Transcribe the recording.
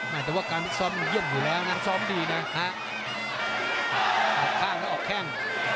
แต่ว่าการซ้อมมันเยี่ยมอยู่แล้วนะซ้อมดีนะออกข้างแล้วออกแข้ง